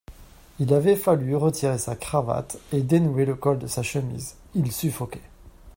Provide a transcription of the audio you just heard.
Il avait fallu retirer sa cravate et dénouer le col de sa chemise, il suffoquait.